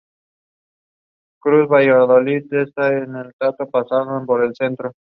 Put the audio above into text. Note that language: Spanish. Actualmente ya no las fabrica.